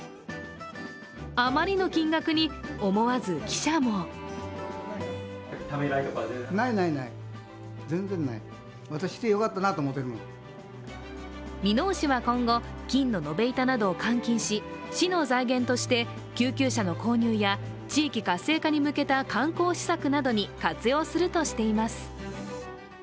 あまりの金額に思わず記者も箕面市は今後、金の延べ板などを換金し、市の財源として救急車の購入や地域活性化に向けた観光施策などに活用するとしています。